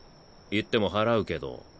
言っても祓うけど。